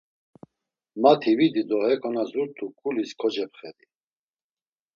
Mati vidi do heko na zurt̆u ǩulis kocepxedi.